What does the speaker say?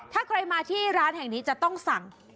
ถ้าใครมาที่ร้านแห่งนี้จะต้องสั่ง